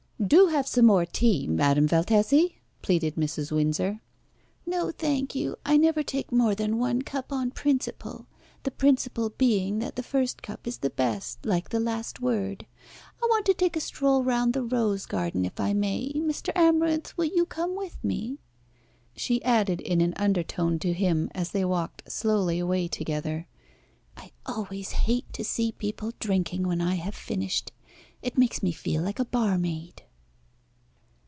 "Do have some more tea, Madame Valtesi," pleaded Mrs. Windsor. "No, thank you. I never take more than one cup on principle the principle being that the first cup is the best, like the last word. I want to take a stroll round the rose garden, if I may. Mr. Amarinth, will you come with me?" She added in an undertone to him, as they walked slowly away together "I always hate to see people drinking when I have finished. It makes me feel like a barmaid."